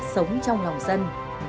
sống trong lòng dân